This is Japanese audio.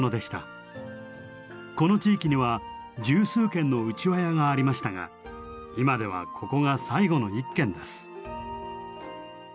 この地域には十数軒のうちわ屋がありましたが今ではここが最後の一軒です。